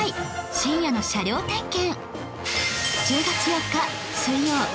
深夜の車両点検